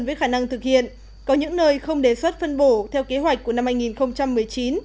với khả năng thực hiện có những nơi không đề xuất phân bổ theo kế hoạch của năm hai nghìn một mươi chín